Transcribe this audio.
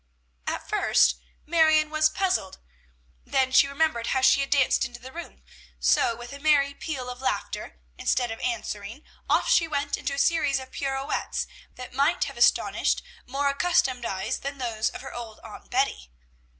At first Marion was puzzled, then she remembered how she had danced into the room, so, with a merry peal of laughter, instead of answering, off she went into a series of pirouettes that might have astonished more accustomed eyes than those of her old Aunt Betty.